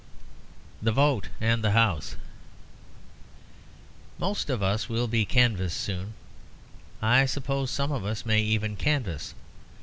THE VOTE AND THE HOUSE Most of us will be canvassed soon, I suppose; some of us may even canvass.